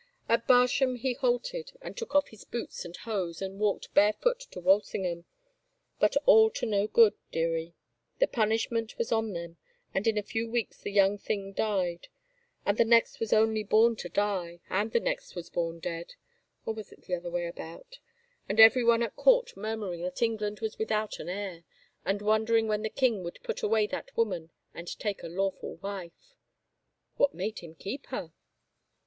At Barsham he halted and took off his boots and hose and walked barefoot to Walsingham, but all to no good, dearie. The punish ment was on them and in a few weeks the young thing died. And the next was only bom to die, and the next was bom dead — or was it the other way about ?— and everyone at court murmuring that England was without an heir, and wondering when the king would put away that woman and take a lawful wife." " What made him keep her?